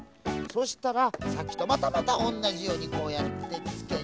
そしたらさっきとまたまたおんなじようにこうやってせんをつけてっと。